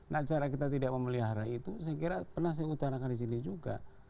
nah cara kita tidak memelihara itu saya kira pernah saya utarakan di sini juga